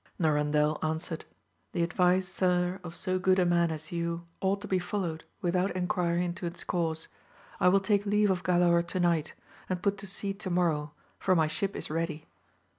Norandel answered. The advice sir of so good a man as you, ought to be fol lowed, without enquiry into its cause. I will take AMADIS OF GAVL. 139 leave of Galaor to night, and put to sea to morrow, for my ship is ready.